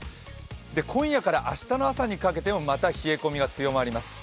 今夜から明日の朝にかけてもまた冷え込みが強まります。